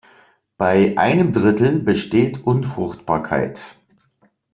Bei einem Drittel besteht Unfruchtbarkeit.